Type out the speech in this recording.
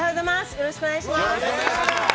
よろしくお願いします。